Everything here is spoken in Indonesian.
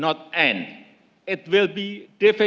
jika perang tidak berakhir